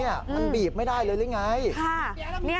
มันบีบไม่ได้เลยหรือไง